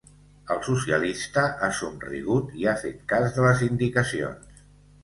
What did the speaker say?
El socialista ha somrigut i ha fet cas de les indicacions.